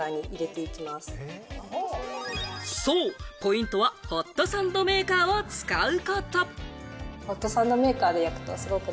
そう、ポイントはホットサンドメーカーを使うこと。